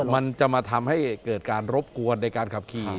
มันจะมาทำให้เกิดการรบกวนในการขับขี่